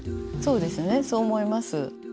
そうですねそう思います。